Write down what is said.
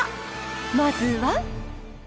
まずは。